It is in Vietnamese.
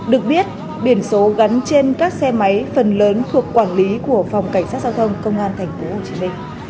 được biết biển số gắn trên các xe máy phần lớn thuộc quản lý của phòng cảnh sát giao thông công an tp hcm